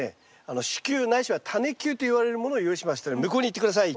種球ないしはタネ球といわれるものを用意しましたので向こうに行って下さい。